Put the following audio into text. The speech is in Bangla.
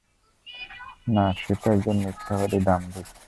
না, সে তো একজন মিথ্যাবাদী, দাম্ভিক।